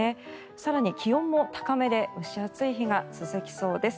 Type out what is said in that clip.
更に気温も高めで蒸し暑い日が続きそうです。